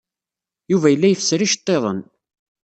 Yuba yella ifesser iceḍḍiḍen.